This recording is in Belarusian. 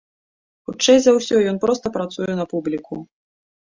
Хутчэй за ўсё, ён проста працуе на публіку.